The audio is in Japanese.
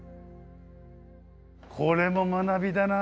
これも学びだな。